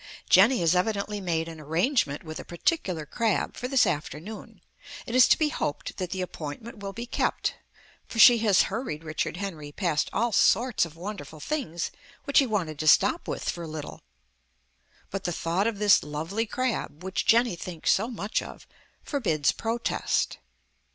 Jenny has evidently made an arrangement with a particular crab for this afternoon. It is to be hoped that the appointment will be kept, for she has hurried Richard Henry past all sorts of wonderful things which he wanted to stop with for a little. But the thought of this lovely crab, which Jenny thinks so much of, forbids protest.